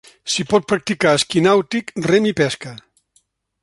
S'hi pot practicar esquí nàutic, rem i pesca.